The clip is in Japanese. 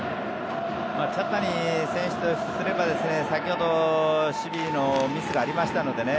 茶谷選手とすれば、先ほど守備のミスがありましたのでね